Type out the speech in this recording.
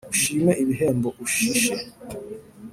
Ushime ibihembo ushishe